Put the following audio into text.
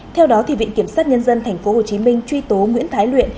theo đó viện kiểm sát nhân dân tp hcm truy tố nguyễn thái luyện